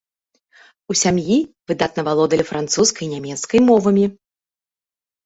У сям'і выдатна валодалі французскай і нямецкай мовамі.